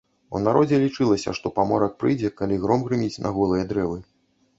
У народзе лічылася, што паморак прыйдзе, калі гром грыміць на голыя дрэвы.